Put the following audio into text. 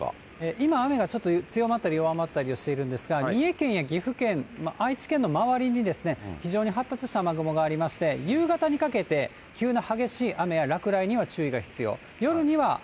今、雨がちょっと強まったり弱まったりしているんですが、三重県や岐阜県、愛知県の周りに、非常に発達した雨雲がありまして、夕方にかけて、急な激しい雨や落雷には注意が必要。